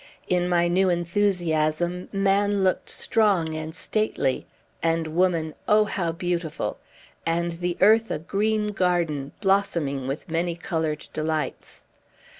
In my new enthusiasm, man looked strong and stately, and woman, oh, how beautiful! and the earth a green garden, blossoming with many colored delights.